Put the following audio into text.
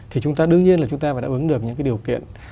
thì chúng ta đương nhiên là chúng ta phải đáp ứng được những cái điều kiện